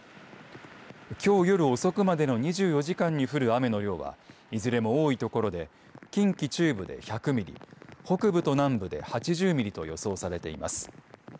きょう夜遅くまでの２４時間に降る雨の量はいずれも多い所で近畿中部で１００ミリ北部と南部で８０ミリと予想されています。